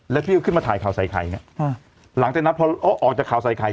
แล้วพี่ก็ขึ้นมาถ่ายข่าวใส่ไข่เนี่ยหลังจากนั้นพอออกจากข่าวใส่ไข่